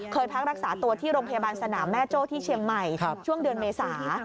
พักรักษาตัวที่โรงพยาบาลสนามแม่โจ้ที่เชียงใหม่ช่วงเดือนเมษา